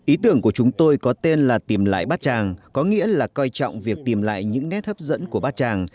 ý tưởng của chúng tôi có tên là tìm lại bát tràng có nghĩa là coi trọng việc tìm lại những nét hấp dẫn của bát tràng